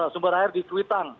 sumber air di cuitang